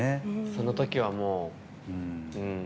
その時は、もう。